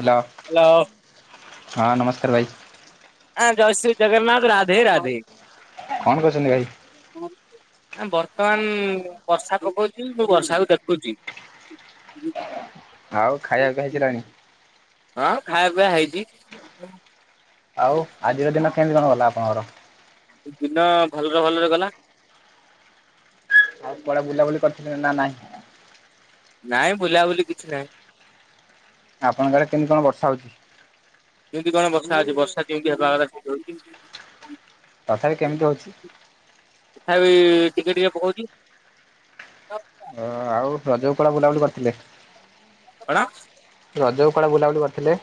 Hello ହଁ ନମସ୍କାର ଭାଇ। ଆଁ ଜୟଶ୍ରୀ ଜଗନ୍ନାଥ ରାଧେ ରାଧେ। କଣ କରୁଛନ୍ତି ଭାଇ? ବର୍ତ୍ତମାନ ବର୍ଷା ପକଉଛି ମୁଁ ବର୍ଷାକୁ ଦେଖୁଛି। ଆଉ ଖାଇବାକୁ ହେଇସାରିଲାଣି? ହଁ ଖାଇବା ପିଇବା ହେଇଛି। ଆଉ ଆଜିର ଦିନ କେମିତି କଣ ଗଲା ଆପଣଙ୍କର? ଦିନ ଭଲରେ ଭଲରେ ଗଲା। ଆଉ କୁଆଡେ ବୁଲା ବୁଲି କରିଥିଲେ ନାଁ ନାହିଁ? ନାଇଁ ବୁଲା ବୁଲି କିଛି ନାହିଁ। ଆପଣଙ୍କ ଆଡେ କେମିତି କଣ ବର୍ଷା ହେଉଛି? କିମିତି କଣ ବର୍ଷା ହଉଛି ବର୍ଷା ଯେମିତି ହବାକଥା ସେମିତି ହଉଛି। ତଥାପି କେମିତି ହେଉଛି? ତଥାପି ଟିକେ ଟିକେ ପକଉଛି। ହଁ ଆଉ ରଜକୁ କୁଆଡେ ବୁଲାବୁଲି କରିଥିଲେ? କଣ? ରଜକୁ କୁଆଡ଼େ ବୁଲାବୁଲି କରିଥିଲେ?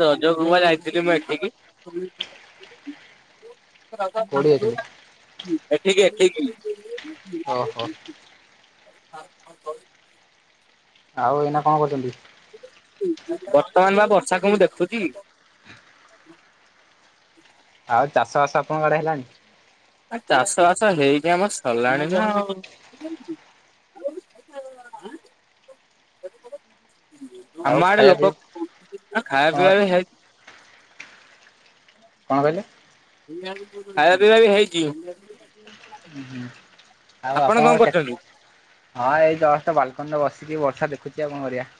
ରଜକୁ ମୁଁ ପା ଯାଇଥିଲି ମୁଁ ଏଠିକି କୋଉଠି ଯାଇଥିଲେ? ଏଠିକି ଏଠିକି। ଓହୋ। [unintelligible] ଆଉ ଏଇନା କଣ କରୁଛନ୍ତି? ବର୍ତ୍ତମାନ ବା ବର୍ଷାକୁ ମୁଁ ଦେଖୁଛି। ଆଉ ଚାଷ ବାସ ଆପଣଙ୍କ ଆଡ଼େ ହେଲାଣି? ଆ ଚାଷ ବାସ ହେଇକି ଆମ ସରିଲାଣି ନା ଆଉ। [inaudible] ଆଉ ଆମ ଆଡେ ଖାଇବା ଲୋକ ପିଇବା ହେ କଣ ଖାଇବା ପିଇବା ବି ହେଇ କଣ କହିଲେ? ଖାଇବା ପିଇବା ବି ହେଇଛି। ହୁଁ ଆଉ ଆପଣ କଣ ଆପଣଙ୍କର କେତେ କରୁଛନ୍ତି? ହଁ ଏଇ ଜଷ୍ଟ ବାଲକୋନି ରେ ବସିକି ବର୍ଷା ଦେଖୁଛି ଆଉ କଣ କରିବା?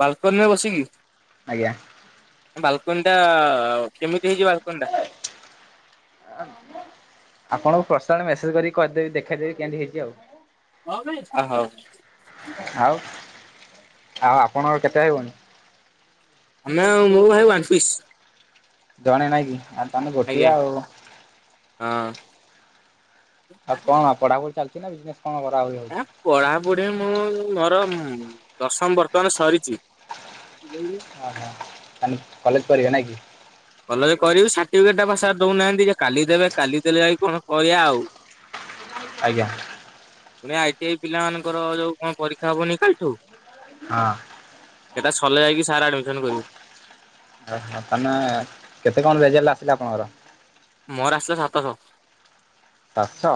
ବାଲକୋନି ରେ ବସିକି? ଆଜ୍ଞା। ବାଲକୋନି ଟା କେମିତି ହେଇଛି ବାଲକୋନି ଟା? ଆପଣଙ୍କୁ ପର୍ସନାଲ ମେସେଜ୍ କରିକି କହିଦେବିି ଦେଖାଇଦେବି କେମିତି ହେଇଛି ଆଉ। ଅ ହଉ। ଆଉ ଆଉ ଆପଣଙ୍କର କେତେ ହେବଣୀ? ନା ମୁଁ ଆଉ ମୁଁ ଭାଇ ୱାନ୍ ପିସ୍। ଜଣେ ନାଇଁ କି ଆଉ ତମେ ଗୋଟିଏ ଆଜ୍ଞା ଆଉ। ହଁ। ଆଉ କଣ ପଢାପଢି ଚାଲିଛି ନା ବିଜ୍ନେଶ୍ କଣ କରା ହଉଛି? ପଢାପୁଢିରେ ମୁଁ ମରମ ଦଶମ ବର୍ତ୍ତମାନ ସରିଛି। ଓହୋ ତାନେ କଲେଜ କରିବ ନା କି? କଲେଜ କରିବି ସାର୍ଟିଫିକେଟ ଟା ବା ସାର୍ ଦଉନାହାନ୍ତି କାଲି ଦେବେ କାଲି ଦେଲେ ଯାଇ କଣ କରିଆ ଆଉ। ଆଜ୍ଞା। ପୁଣି ଆଇ ଟି ଆଇ ପିଲାମାନଙ୍କର ଯୋଉ କଣ ପରୀକ୍ଷା ହବନି କାଲିଠୁ। ହଁ। ସେଟା ସରିଲେ ଯାଇକି ସାର୍ ଆଡିମିସନ କରିବେ। ଓହୋ ତାନେ କେତେ କଣ ରେଜେଲ୍ଟ ଆସିଲା ଆପଣଙ୍କର? ମୋର ଆସିଲା ସାତଶ। ସାତଶହ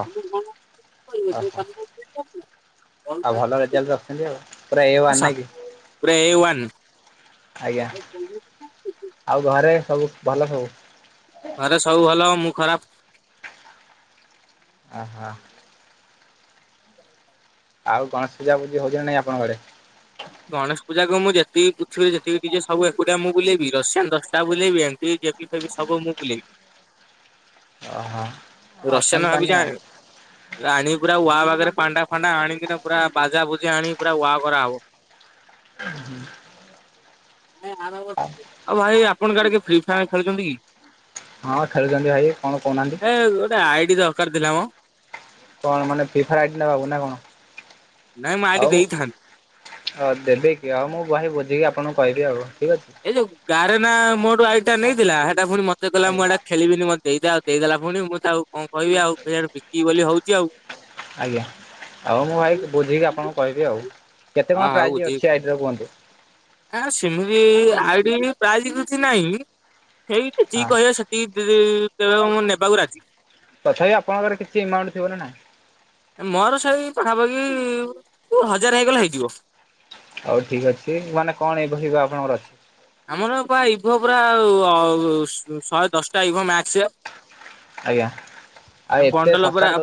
ଓହୋ [inaudible] ଆଉ ଭଲ ରେଜଲ୍ଟ ରଖିଛନ୍ତି ଆଉ ପୁରା ଏ ୱାନ ନାଇଁ ସାତ୍ କି ପୁରା ଏ ୱାନ୍। ଆଜ୍ଞା [inaudible] ଆଉ ଘରେ ସବୁ ଭଲ ସବୁ। ଘରେ ସବୁ ଭଲ ମୁଁ ଖରାପ। ଆହା। ଆଉ ଗଣେଶ ପୂଜା ଭୁଜି ହଉଛି ନାଇଁ ଆପଣଙ୍କ ଘରେ? ଗଣେଶ ପୂଜାକୁ ମୁଁ ଯେତିକି ପୃଥିବୀରେ ଯେତିକି ଡିଜେ ସବୁ ଏକୁଟଆ ମୁଁ ବୁଲେଇବି ରସିଆନ୍ ଦଶଟା ବୁଲଏବି ଏମିତି। କେବି ଫେବି ସବୁ ମୁଁ ବୁଲେଇ। ଓହୋ ଅଛନ୍ତି ତାନେ ଆଉ। ରାଣିକି ପୁରା ୱା ପାଖରେ ପାଣ୍ଡା ଫାଣ୍ଡା ଆଣିକିନା ପୁରା ବାଜା ଫୁଜି ଆଣିକି ପୁରା ୱା କରାହବ। [inaudible] ଆଉ ଭାଇ ଆପଣ ଆଡେ କିଏ ଫ୍ରି ଫାୟାର ଖେଳୁଛନ୍ତି କି? ହଁ ଖେଳୁଛନ୍ତି ଭାଇ କଣ କହୁନାହାନ୍ତି? ଏ ଗଟେ ଆଇଡି ଦରକାର ଥିଲା ମ। କଣ ମାନେ ଫି ଫର ଆଇଡି ନବାବୁ ନା କଣ ନାଇଁ ମୁଁ ଆଇଡି ଆଉ। ଦେଇଥାନ୍ତି। ହଁ ଦେବି କି ଆଉ ମୁଁ ଭାଇ ବୁଝିକି ଆପଣଙ୍କୁ କହିବି ଆଉ ଠିକ୍ ଅଛି। ଏଇ ଯୋଉ ଗାଡେନା ମୋଠୁ ଆଇଟା ନେଇଥିଲା ସେଇଟା ପୁଣି ମତେ କହଲା ଆଜ୍ଞା ମୁଁ ଏଇଟା ଖେଲିବିନି ମୋତେ ଦେଇଦେ ଦେଇଦେଲା ପୁଣି ମୁଁ ତ ଆଉ କଣ କହିବି ଆଉ ଫେଡେ ବିକି ବୋଲି ହଉଚି ଆଉ। ଆଜ୍ଞା ଆଉ ମୁଁ ଭାଇ ବୁଝିକି ଆପଣଙ୍କୁ କହିବି ଆଉ କେତେ ଆ କଣ ହଉ ପ୍ରାଇଜି ବୁଝିକି ଅଛି କହିବି। ଆଇଡିର କୁହନ୍ତୁ? ଆ ସେମିତି ଆଇଡି ପ୍ରାଇଜି କିଛି ନାହିଁ ହେଇଟି ହଁ ଯେତିକି କହିବା ସେ [inaudible] ଦେବାକୁ ନେବାକୁ ରାଜି। ତଥାପି ଆପଣଙ୍କର କିଛି ଏମାଉଣ୍ଟ ଥିବ ନା ନାଇଁ। ମୋର ସେଇ ପାଖାପାଖି ହଜାର ହେଇଗଲେ ହେଇଯିବ। ହଉ ଠିକ୍ ଅଛି ମାନେ କଣ ଏ ବହିିବା ଆପଣଙ୍କର ଅଛି। ଆମର ପା ଇଭୋ ପୁରା ଅ ଶହେ ଦଶଟା ଇଭୋ ମ୍ୟାକ୍ସ୍। ଆଜ୍ଞା ଆମ ବଣ୍ଡଲ ପରା।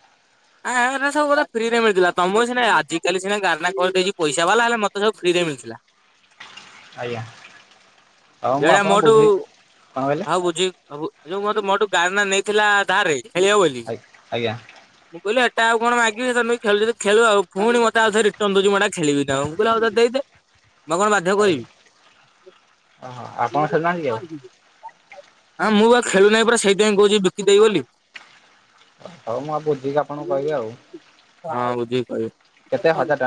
ହ ଆରା ସବୁରା ଫ୍ରିରେ ମିଳଥିଲା ତମକୁ ସିନା ଆଜିକାଲି ସିନା ଗନା କରିଦେଇଚି ପଇସା ବାଲା ହେଲେ ମତେ ସବୁ ଫ୍ରିରେ ମିଳିଥିଲା। ଆଜ୍ଞା। ହଉ ମୁଁ ଯେଣା ଆପଣଙ୍କୁ ମୋଠୁ ବୁଝିକି କଣ କହିଲେ ଆଉ ବୁଝି। ଆବ ଯୋଉ ମୋଠୁ ମୋଠୁ ଗାନା ନେଇଥିଲା ଧରେ ଖେଳିବ ବୋଲି। ଆଜ୍ଞା ଆଜ୍ଞା। ମୁଁ କହିଲି ଏଟାଉ କଣ ମାଗିବି ସେ ଖେଳଚି ଖେଳୁ ଆଉ ପୁଣି ମତେ ଆଉ ଥରେ ରଟନ୍ ଦଉଛି ମୁଁ ଏଟା ଖେଳିବିନି ଆଉ ମୁଁ କହିଲ ଆଉ ଦେଇଦେ। ହ ମୁଁ କଣ ବାଧ୍ୟ କରିବି। ଓହୋ ଆପଣ ଖେଳୁ ନାହାନ୍ତି ଆଉ? ହଁ ମୁଁ ବା ଖେଳୁ ନାହିଁ ପୁରା ସେଇଥିପାଇଁ କହୁଛି ବିକିଦେବି ବୋଲି। ହଉ ମୁଁ ଆଉ ବୁଝିକି ଆପଣଙ୍କୁ କହିବି ଆଉ। ହଁ, ବୁଝିକି କେତେ ହଜାର କହିବେ।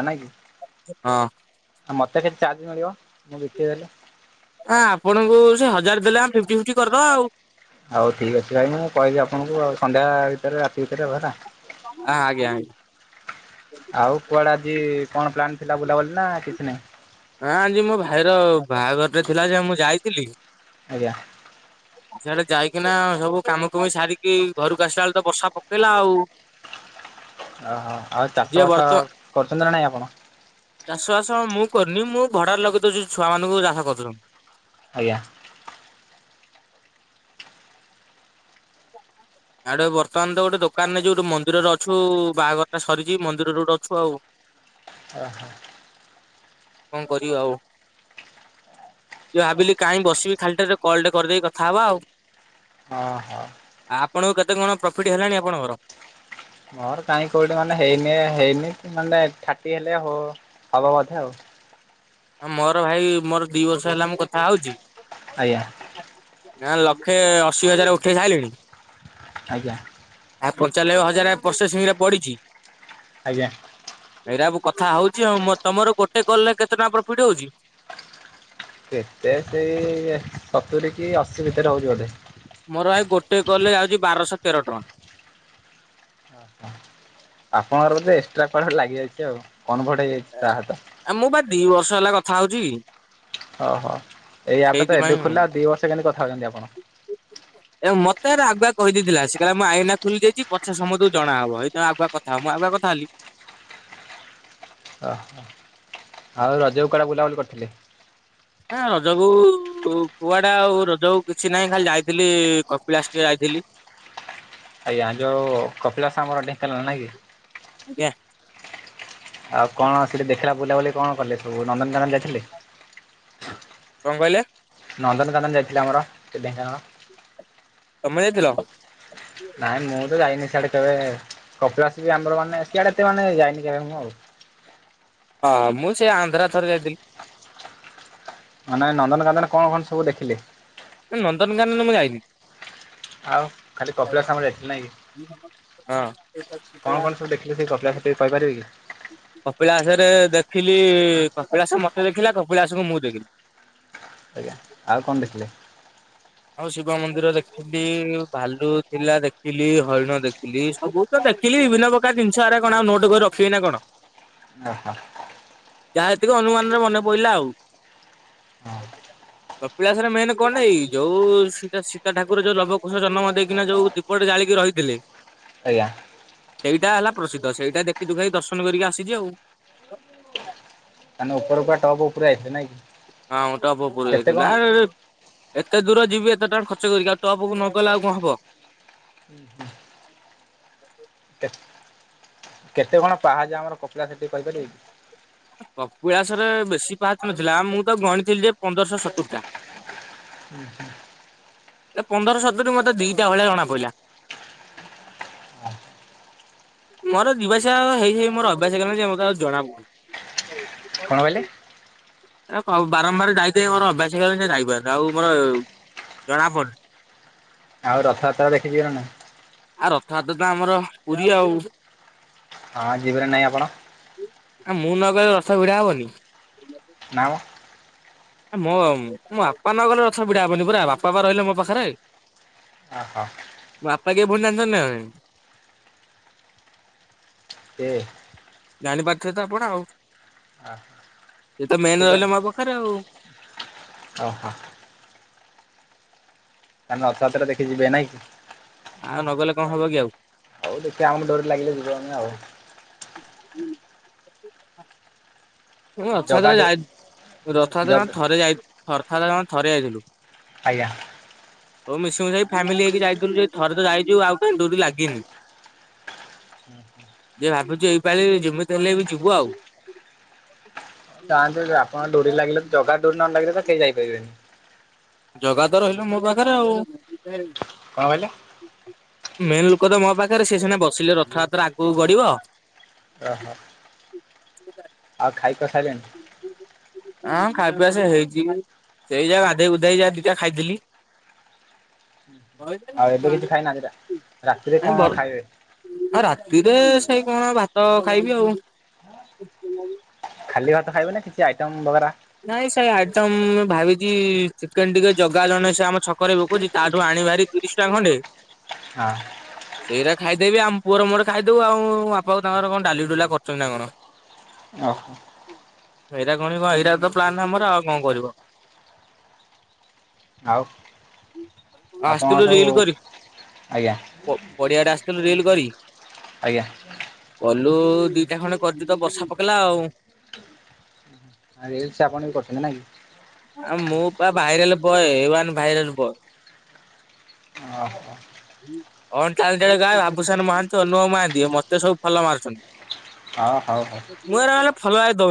ହଁ। ଆ ମୋତେ କେତେ ଚାର୍ଜ ମିଳିବ, ମୁଁ ବିକି ଦେଲେ? ଆଁ ଆପଣଙ୍କୁ ସେ ହଜାର ଦେଲେ ଆମେ ଫିଫ୍ଟି ଫିଫ୍ଟି କରିଦବା ଆଉ। ହଉ ଠିକ୍ ଅଛି ଭାଇ, ମୁଁ କହିବି ଆପଣଙ୍କୁ ଆଉ ସନ୍ଧ୍ୟା ଭିତରେ ରାତି ଭିତରେ ଆଉ ହେଲା। ଆ ଆଜ୍ଞା, ଆଜ୍ଞା। ଆଉ କୁଆଡ଼େ ଆଜି କଣ ପ୍ଲାନ୍ ଥିଲା ବୁଲାବୁଲି ନା ଆ କିଛି ନାହିଁ? ହଁ, ଆଜି ମୋ ଭାଇର ବାହାଘରଟେ ଥିଲା ଯେ ମୁଁ ଯାଇଥିଲି ଆଜ୍ଞା। ସିଆଡେ ଯାଇକିନା, ସବୁ କାମ କୁମି ସାରିକି, ଘରକୁ ଆସିଲା ବେଳକୁ ତ ବର୍ଷା ପକେଇଲା ଆଉ। ଓହୋ। ଆଉ ଯେ ଚାଷବାସ କରୁଛନ୍ତି ନା ନାଇଁ ଆପଣ? ଚାଷବାସ ମୁଁ କରୁନି, ମୁଁ ଭଡାରେ ଲଗେଇ ଦଉଛି ଛୁଆମାନଙ୍କୁ ଚାଷ କରିଦଉଛନ୍ତି। ଆଜ୍ଞା। ଆଉ ଗୋଟେ ବର୍ତ୍ତମାନ ତ ଗୋଟେ ଦୋକାନରେ ଯୋଉଟି ମନ୍ଦିରରେ ଅଛୁ, ବାହାଘରଟା ସରିଛି ମନ୍ଦିରରେ ଗୋଟେ ଅଛୁ ଆଉ। ଓହୋ। କଣ କରିବା ଆଉ? ଯେ ଭାବିଲି କାହିଁ ବସିବି ଖାଲିଟାରେ, କଲଟେ କରିଦେଇ କଥା ହବା ଆଉ। ହଁ, ହଁ। ଆଉ ଆପଣଙ୍କୁ କେତେ କଣ ପ୍ରଫିଟ ହେଲାଣି ଆପଣଙ୍କର? ମୋର କାହିଁ କେଉଁଠି ମାନେ ହେଇନି, ହେଇନି କି ମାନେ ଥାର୍ଟି ହେଲେ ହ ହବ ବୋଧେ ଆଉ। ହଁ, ମୋର ଭାଇ, ମୋର ଦି ବର୍ଷ ହେଲା ମୁଁ କଥା ହଉଛି ଆଜ୍ଞା। ନା ଲକ୍ଷେ ଅଶି ହଜାର ଉଠେଇ ସାଇଲିଣି ଆଜ୍ଞା। ଆ ପଞ୍ଚାଲବେ ହଜାରେ ପ୍ରୋସେସିଂରେ ପଡିଛି ଆଜ୍ଞା। ଏଇରା ମୁଁ କଥା ହଉଛି ଆଉ। ମ ତମର ଗୋଟେ କଲରେ କେତେ ଟଙ୍କା ପ୍ରଫିଟ ହଉଛି? କେତେ ସେଇ, ସତୁରି କି ଅଶୀ ଭିତରେ ହଉଛି ବୋଧେ। ମୋର ଭାଇ ଗୋଟେ କଲରେ ଆଉଛି ବାରଶହ ତେର ଟଙ୍କା। ଓହୋ। ଆପଣଙ୍କର ବୋଧେ ଏକ୍ସଟ୍ରା କୁଆଡେ ଗୋଟେ ଲାଗିଯାଇଛି ଆଉ। କନଭର୍ଟ ହେଇଯାଇଛି ତା ସହିତ। ଆ ମୁଁ ବା ଦି ବର୍ଷ ହେଲା କଥା ହଉଛି। ଓହୋ। ଏଇ ଆପଟା ତ ସେଇଥିପାଇଁ ଏବେ ଖୋଲିଲା, ଆଉ ଦି ବର୍ଷ କେନ୍ତି କଥା ହଉଛନ୍ତି ଆପଣ? ଏ ମତେ ଏଇରା ଆଗୁଆ କହିଦେଇଥିଲା। ସେ କହିଲା ମୁଁ ଆଇନା ଖୋଲି ଦେଇଛି, ପଛେ ସମତଙ୍କୁ ଜଣାହବ। ସେଇଥିପାଇଁ ଆଗୁଆ କ ଥା ହବ, ମୁଁ ଆଗୁଆ କଥା ହେଲି। ଓହୋ। ଆଉ ରଜକୁ କୁଆଡେ ବୁଲାବୁଲି କରିଥିଲେ? ହଁ ରଜକୁ ଉ କୁଆଡେ ଆଉ ରଜକୁ କିଛି ନାହିଁ ଖାଲି ଯାଇଥିଲି କପିଳାସ ଟିକେ ଯାଇଥିଲି। ଆଜ୍ଞା। ଯୋଉ କପିଳାସ ଆମର ଢେଙ୍କାନାଳ ନାଇ କି? ଆଜ୍ଞା। ଆଉ କଣ ସେଠି ଦେଖିଲା ବୁଲାବୁଲି କଣ କଲେ ସବୁ, ନନ୍ଦନକାନନ ଯାଇଥିଲେ? କଣ କହିଲେ? ନନ୍ଦନକାନନ ଯାଇଥିଲେ ଆମର, ସେ ଢେଙ୍କାନାଳ। ତମେ ଯାଇଥିଲ? ନାଇଁ ମୁଁ ତ ଯାଇନି ସିଆଡେ କେବେ, କପିଳାସ ବି ଆମର ମାନେ ସିଆଡେ ଏତେ ମାନେ ଯାଇନି କେବେ ମୁଁ ଆଉ। ହ ମୁଁ ସେ ଆନ୍ଧ୍ରା ଥରେ ଯାଇଥିଲି। ମାନେ ନନ୍ଦନକାନନ କଣ କଣ ସବୁ ଦେଖିଲେ? ନନ୍ଦନକାନନ ମୁଁ ଯାଇନି। ଆଉ ଖାଲି କପିଳାସ ଆମ ଯାଇଥିଲେ ନାଇଁ କି? ହଁ କଣ କଣ ସବୁ ଦେଖିଲେ ସେଇ କପିଳାସରେ ଟିକେ କହିପାରିବେ କି? କପିଳାସରେ ଦେଖିଲି କପିଳାସ ମତେ ଦେଖିଲା କପିଳାସକୁ ମୁଁ ଦେଖିଲି। ଆଜ୍ଞା ଆଉ କଣ ଦେଖିଲେ? ଆଉ ଶିବ ମନ୍ଦିର ଦେଖି ଠି ଭାଲୁ ଥିଲା ଦେଖିଲି ହରିଣ ଦେଖିଲି ସବୁ ତ ଦେଖିଲି ବିଭିନ୍ନ ପ ଙ୍କା ଜିନିଷ ହେରା କଣ ଆଉ ନୋଟ କରି ରଖିବି ନା କଣ? ଅ ହ ଯାହା ଯେତିକ ଅନୁମାନରେ ମନେ ପଇଲା ଆଉ। ହଁ କପିଳାସରେ ମେନ୍ କଣ ନା ଏଇ ଯୋଉ ସୀତା ସୀତା ଠାକୁର ଯୋଉ ଲବ, କୃଶ ଜନମ ଦେଇକିନା ଯୋଉ ଦୀପଟେ ଜାଳିକି ରହିଥିଲେ। ଆଜ୍ଞା। ସେଇଟା ହେଲା ପ୍ରସିଦ୍ଧ ସେଇଟା ଦେଖି ଦୁଖାଇ ଦର୍ଶନ କରିକି ଆସିଜି ଆଉ। ତାହାନେ ଉପର ପା ଟପ ଉପରେ ଆଇଥେ ନାଇଁ କି? ହଁ ମୁଁ ଟପ ଉପରକୁ କେତେ ଯାଉଥିଲୁ କଣ ଆରେ ରେ ଏତେ ଦୂର ଯିବି ଏତେ ଟଙ୍କା ଖର୍ଚ୍ଚ କରିକି ଆଉ ଟପକୁ ନଗଲେ ଆଉ କଣ ହବ। କେତେ କଣ ପାହାଚ ଆମର କପିଳାସ ଟିକେ କହିପାରିବେ କି? କପଳାସରେ ବେଶୀ ପାହଚ ନଥିଲା ଆ ମୁଁ ତ ଗଣିଥିଲି ଯେ ପନ୍ଦରଶହ ସତୁରି ଟା। [inaudible] ଏ ପନ୍ଦର ସତୁରି ମତେ ଦିଟା ଭଳିଆ ଜଣା ପଇଲା। ମୋର ଯିବା ଆସିବା ହେଇ ହେଇ ମୋର ଅଭ୍ୟାସ ହେଇଗଲାଣି ଯେ ମତେ ଆଉ ଜଣା ପଡୁନି। କଣ କହିଲେ? ଏରା ହଉ ବାରମ୍ବାର ଯାଇ ଯାଇ ମୋର ଅଭ୍ୟାସ ହେଇଗଲାଣି ଯାଇପାରୁନି ଆଉ ମୋର ଜଣା ପଡ ଆଉ ରଥଯାତ୍ରା ଦେଖି ଯିବେ ନା ନାଇଁ? ଆ ରଥଯାତ୍ରା ତ ଆମର ପୁରୀ ଆଉ। ହଁ ଯିବେ ନାଁ ନାହିଁ ଆପଣ? ଆଁ ମୁଁ ନ ଗଲେ ରଥ ଭିଡା ହବନି। ନାଁ ମ। ମୋ ମୋ ବାପା ନ ଗଲେ ରଥ ଭିଡା ହବନି ପରା ବାପା ବା ରହିଲେ ମୋ ପାଖେରେ। ଅ ହୋ। ବାପା କିଏ ପୁଣି ଜାଣିଛନ୍ତି ନା ନାଇ। ଦେ ଜାଣିପାରୁଥିବେ ତ ଆପଣ ଆଉ। ସେ ତ ମେନ୍ ରହିଲେ ମୋ ପାଖରେ ଆଉ [inaudible] [inaudible] ରଥଯାତ୍ରା ଦେଖି ଯିବେ ନାଇଁ? ଆଉ ନଗଲେ କଣ ହବ କି ଆଉ। ହଉ ଦେଖିଆ ଆମ ଡୋରୀ ଲାଗିଲେ ଯିବୁ ଆମେ ଆଉ। ଜଗା ରଥାଯାତ୍ରାରେ ଡୋ ଯାଇ ରଥଯାତ୍ରା ଜଗ ଜମା ଥରେ ଯାଇ ଥରେ ଥରେ ଜମା ଥରେ ଯାଇଥିଲୁ। ଆଜ୍ଞା। ସବୁ ମିଶି ମିଶାକି ଫ୍ୟାମିଲୀ ହେଇକି ଯାଇଥିଲୁ ଯେ ଥରେ ତ ଯାଇଚୁ ଆଉ କାହିଁ ଡୋରୀ ଲାଗିନି। [inaudible] [inaudible] ଯେ ଭାବୁଛି ଏଇ ପାାଳି ଯେମିତି ହେଲେ ବି ଯିବୁ ଆଉ। [inaudible] ତାହେଲେ ଆପଣ ଡୋ଼ରି ଲାଗିଲ ତ ଜଗା ଡୋରି ନ ଲାଗିଲେ ତ କେହି ଯାଇପାରିବେନି। ଜଗା ତ ରହିଲ ମୋ ପାଖରେ ଆଉ। କଣ କହିଲେ? ମେନ୍ ଲୋକ ତ ମୋ ପାଖରେ ସେ ସିନା ବସିଲେ ରଥଯାତ୍ରା ଆଗକୁ ଗଢ଼ିବ। ଓହୋ। ଆଉ ଖାଇଖୁଆ ସାଇଲେଣି? ହଁ ଖାଇ ପିଆ ସେ ହେଇଛି ସେଇ ଯା ଗାଧେଇ ଉୁଧେଇ ଯା ଦିଟା ଖାଇଥିଲି। ଆଉ ଏବେ କିଛି ଖାଇନାହାନ୍ତି ରାତିରେ କଣ ଖାଇବେ? ହଁ ରାତିରେ ସେଇ କଣ ଭାତ ଖାଇବି ଆଉ। ଖାଲି ଭାତ ଖାଇବେ ନା କିଛି ଆଇଟମ ବଗେରା ନାଇଁ ସେ ଆଇଟମ୍ ମୁଁ ଭାବିଛି ଚିକେନ୍ ଟିକେ ଜଗା ଜଣେ ସେ ଆମ ଛକରେ ବିକୁଛି। ତାଠୁ ଆଣିଭେରି ତିରିଶ ଟଙ୍କା ଖଣ୍ଡେ। ହଁ। ସେଇରା ଖାଇଦେବି ଆମ ପୁଅର ମୋର ଖାଇଦବୁ ଆଉ ବାପାକୁ ତାଙ୍କର କଣ ଡାଲି ଡୁଲା କରୁଛନ୍ତି ନା କଣ। ଓହୋ। ଏଇଟା କଣ କଣ ଏଇଟା ତ ପ୍ଲାନ୍ ଆମର ଆଉ କଣ କରିବୁ। ଆଉ ଆପଣଙ୍କ ସବୁ ଆଜ୍ଞା। ପଡ଼ିଆ ରେ ଆସିଥିଲୁ ରିଲ୍ କରି? ଆଜ୍ଞା। କଲୁ ଦିଟା ଖଣ୍ଡେ କରିଛୁ ତ ବର୍ଷା ପକେଇଲା ଆଉ। ଆଉ ରିଲ୍ସ ଟା ଆପଣ ବି କରୁଛନ୍ତି ନାଇଁ କି। ଆ ମୁଁ ବା ଭାଇରାଲ ବଏ ଏ ୱାନ ଭାଇରାଲ ବଏ। ଓହୋ। [unintelligible] ବାବୁସାନ ମହାନ୍ତି ଅନୁଭବ ମହାନ୍ତି ମତେ ସବୁ ଫଲୋ ମାରୁଛନ୍ତି। ହଁ ହଉ ହଉ। ମୁଁ ଏରା [unintelligible] ଫଲୋ ବେକ୍ ଦଉନି।